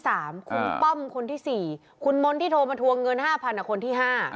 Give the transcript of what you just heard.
คุณป้อมคนที่๔คุณมนต์ที่โทรมาทวงเงิน๕๐๐คนที่๕